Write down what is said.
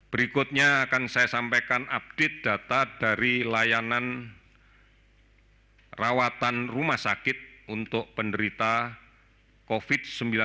berikutnya akan saya sampaikan update data dari layanan rawatan rumah sakit untuk penderita covid sembilan belas